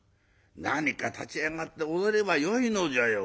何か立ち上がって踊ればよいのじゃよ。